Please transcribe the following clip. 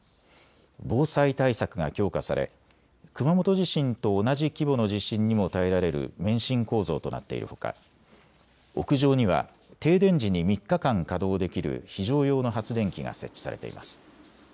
防災対策が強化され熊本地震と同じ規模の地震にも耐えられる免震構造となっているほか、屋上には停電時に３日間稼働できる非常用の発電機が設置されています。